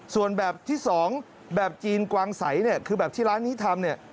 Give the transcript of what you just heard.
ส่วนแบบที่๒แบบจีนกวางใสคือแบบที่ร้านนี้ทำ